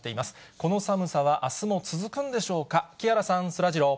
この寒さはあすも続くんでしょうか。